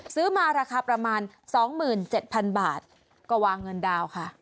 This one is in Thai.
ซื้อมาราคาประมาณ๒๗๐๐บาทก็วางเงินดาวค่ะ